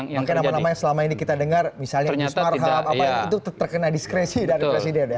makanya nama nama yang selama ini kita dengar misalnya gus marham apa itu terkena diskresi dari presiden ya